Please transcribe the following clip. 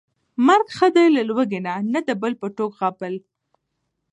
مرګ ښه دى له لوږې نه، نه د بل په ټوک غپل